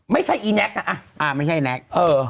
ไม่ใช่อีแน๊ก